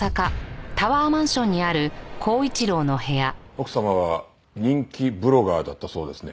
奥様は人気ブロガーだったそうですね。